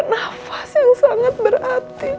nafas yang sangat berarti